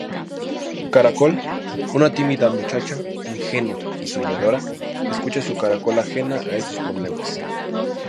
Caracol, una tímida muchacha, ingenua y soñadora, escucha su caracola ajena a estos problemas.